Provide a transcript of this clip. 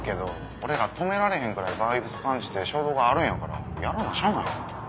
俺ら止められへんぐらいバイブス感じて衝動があるんやからやらなしゃあないやろ。